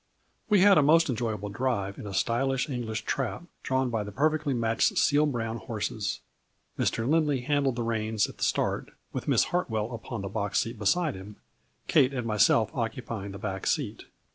We had a most enjoyable drive in a stylish English trap drawn by the perfectly matched seal brown horses. Mr. Lindley handled the reins at the start, with Miss Hartwell upon the box seat beside him, Kate and myself occupy ing the back seat.